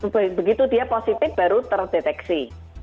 begitu dia positif baru terdeteksi